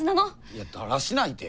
いや「だらしない」て。